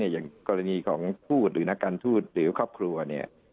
อย่างกรณีของทูตหรือนักการทูตหรือครอบครัวเนี่ย